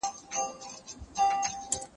زه ليکلي پاڼي ترتيب کړي دي